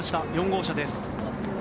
４号車です。